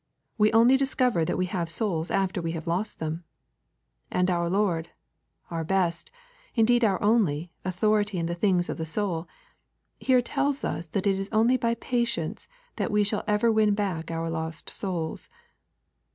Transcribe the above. We only discover that we have souls after we have lost them. And our Lord, our best, indeed our only, authority in the things of the soul, here tells us that it is only by patience that we shall ever win back our lost souls.